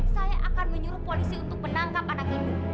saya akan menyuruh polisi untuk menangkap anak ibu